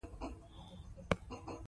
هغه چې اور يې بل کړ، ولاړ.